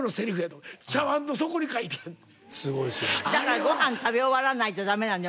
だからご飯食べ終わらないとダメなのよ。